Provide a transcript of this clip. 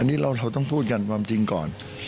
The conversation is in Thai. อันนี้เราต้องพูดกันความจริงก่อน